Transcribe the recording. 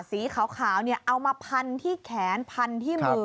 สีขาวเอามาพันที่แขนพันที่มือ